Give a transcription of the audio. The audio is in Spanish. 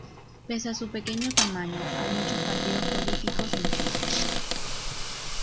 Pese a su pequeño tamaño hay muchos partidos políticos en Fiyi.